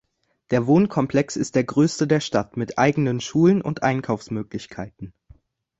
Der Wohnkomplex ist der größte der Stadt mit eigenen Schulen und Einkaufsmöglichkeiten.